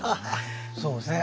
そうですね